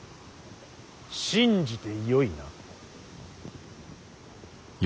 信じてよいな。